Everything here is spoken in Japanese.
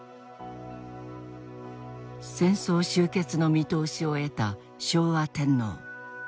戦争終結の見通しを得た昭和天皇。